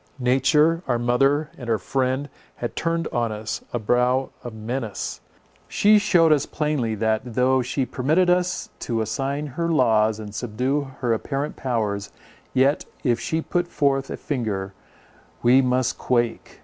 Nature, our mother, and our friend, had turned on us a brow of menace. She shewed us plainly, that, though she permitted us to assign her laws and subdue her apparent powers, yet, if she put forth but a finger, we must quake.